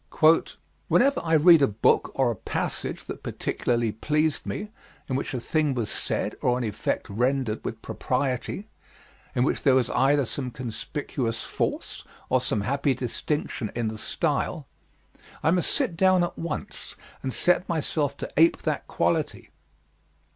Whenever I read a book or a passage that particularly pleased me, in which a thing was said or an effect rendered with propriety, in which there was either some conspicuous force or some happy distinction in the style, I must sit down at once and set myself to ape that quality.